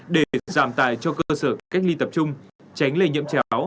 để giảm tài cho cơ sở cách ly tập trung tránh lây nhiễm chéo